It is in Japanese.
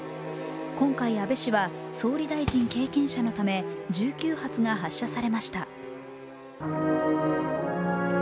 今回安倍氏は総理大臣経験者のため１９発が発射されました。